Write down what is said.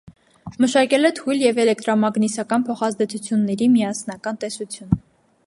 Մշակել է թույլ և էլեկտրամագնիսական փոխազդեցությունների միասնական տեսություն։